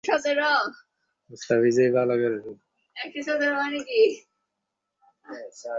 সেদিন গুরু একটু বিশেষভাবে একটা বড়ো রকমের কথা পাড়িলেন।